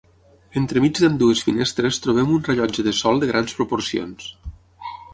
Entremig d'ambdues finestres trobem un rellotge de sol de grans proporcions.